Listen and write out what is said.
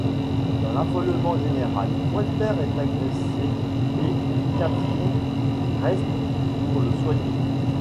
Dans l'affolement général, Walter est agressé et Katrin reste pour le soigner.